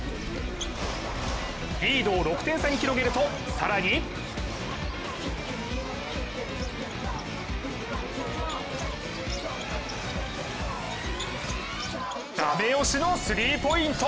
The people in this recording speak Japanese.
リードを６点差に広げると更に駄目押しのスリーポイント。